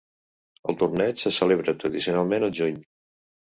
El torneig se celebra tradicionalment al juny.